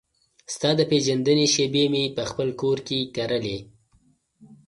ستا د پیژندنې شیبې مې پخپل کور کې کرلې